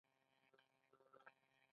باران اوري.